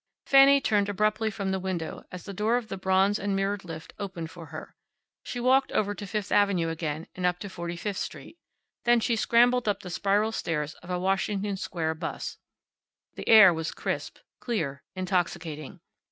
Fanny turned abruptly from the window as the door of the bronze and mirrored lift opened for her. She walked over to Fifth avenue again and up to Forty fifth street. Then she scrambled up the spiral stairs of a Washington Square 'bus. The air was crisp, clear, intoxicating.